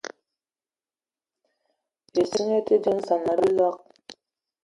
Ìsínga í te dínzan á bíloig